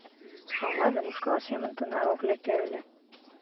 Пала гын, ушкал семын тынар ок лӧкӧ ыле.